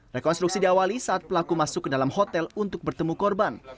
rekonstruksi diawali saat pelaku masuk ke dalam hotel untuk bertemu korban